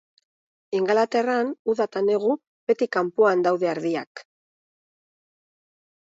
Ingalaterran, uda eta negu, beti kanpoan daude ardiak.